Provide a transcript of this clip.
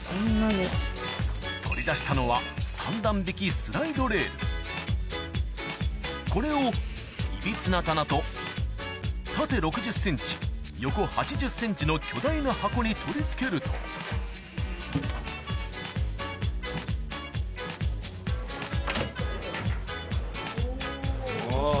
取り出したのはこれをいびつな棚と縦６０ｃｍ横８０ｃｍの巨大な箱に取り付けるとおぉ。